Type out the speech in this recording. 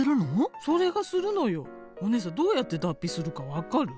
お姉さんどうやって脱皮するか分かる？